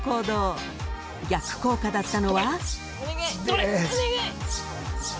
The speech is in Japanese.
［逆効果だったのは？］